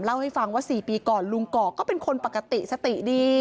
เล่าให้ฟังว่า๔ปีก่อนลุงกอกก็เป็นคนปกติสติดี